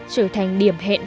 trở thành điểm hẹn